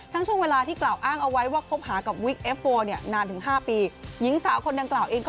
ทั้งช่วงเวลาที่กล่าวอ้างเอาไว้ว่า